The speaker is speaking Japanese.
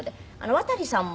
渡さんも。